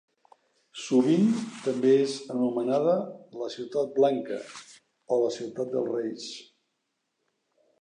Sovint també és anomenada la Ciutat Blanca o la Ciutat dels Reis.